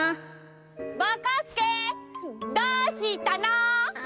ぼこすけどうしたの？